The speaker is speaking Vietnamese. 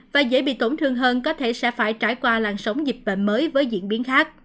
và dễ bị tổn thương hơn có thể sẽ phải trải qua làn sóng dịch bệnh mới với diễn biến khác